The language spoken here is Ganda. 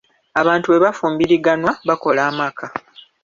Abantu bwe bafumbiriganwa, bakola amaka